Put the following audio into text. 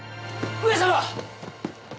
上様！